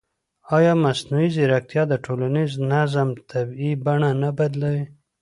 ایا مصنوعي ځیرکتیا د ټولنیز نظم طبیعي بڼه نه بدلوي؟